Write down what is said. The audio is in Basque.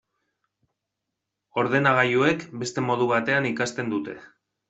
Ordenagailuek beste modu batean ikasten dute.